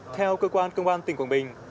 theo cơ quan công an tỉnh quảng bình